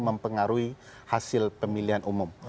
mempengaruhi hasil pemilihan umum